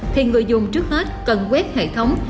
thì người dùng trước hết cần quét hệ thống